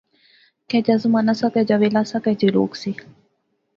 کیا جا زمانہ سا، کیا جا ویلا سا، کے جے لوک سے